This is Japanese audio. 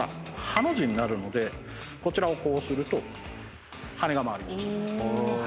ハの字になるのでこちらをこうすると羽根が回ります。